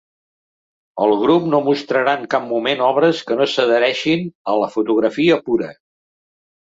El grup no mostrarà en cap moment obres que no s'adhereixin a la fotografia pura.